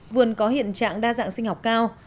vườn có hiện trạng đa dạng sinh học cao